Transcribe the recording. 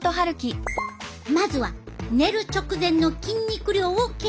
まずは寝る直前の筋肉量を計測。